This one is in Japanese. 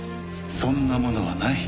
そんなものはない。